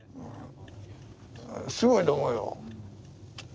すごいと思うよ。